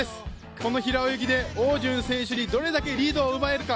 この平泳ぎで汪順選手にどれだけリードを得られるか